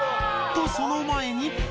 とその前に